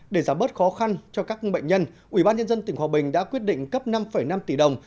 để giảm bớt khó khăn cho các bệnh nhân ubnd tỉnh hòa bình đã quyết định cấp năm năm tỷ đồng